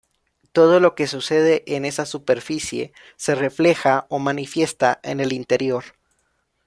Todo lo que sucede en esa superficie, se refleja o manifiesta en el interior.